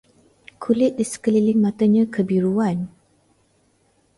Kulit di sekeliling matanya kebiruan